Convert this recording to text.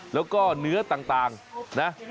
แล้วก็เนื้อต่างนะ